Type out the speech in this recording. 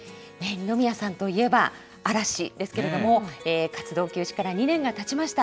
二宮さんといえば嵐ですけれども、活動休止から２年がたちました。